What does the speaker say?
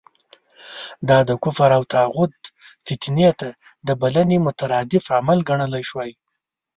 دا د کفر او طاغوت فتنې ته د بلنې مترادف عمل ګڼل شوی.